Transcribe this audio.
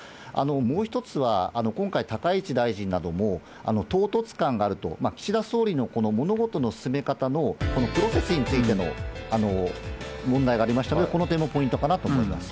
もう一つは、今回、高市大臣なども唐突感があると、岸田総理の物事の進め方のこのプロセスについての問題がありましたので、この点もポイントかなと思います。